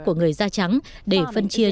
của người da trắng để phân chia